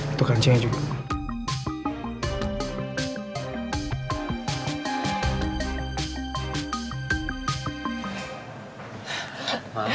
itu kancingnya juga